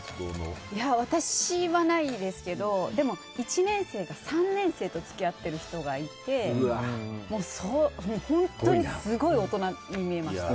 私はないですけどでも１年生が３年生と付き合ってる人がいて本当にすごい大人に見えました。